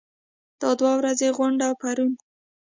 دا دوه ورځنۍ غونډه پرون